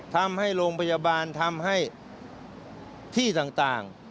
ทำให้โรงพยาบาลทำให้ที่ต่าง